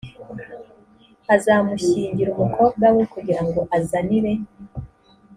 azamushyingira umukobwa we kugira ngo azanire